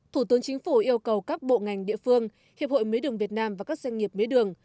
thủ tướng chính phủ yêu cầu các bộ ngành địa phương hiệp hội mía đường việt nam và các doanh nghiệp mía đường